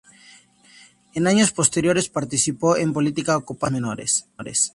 En años posteriores participó en política ocupando cargos menores.